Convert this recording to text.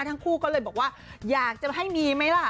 ทั้งคู่ก็เลยบอกว่าอยากจะให้มีไหมล่ะ